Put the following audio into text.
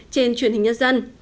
trên truyền hình nhân dân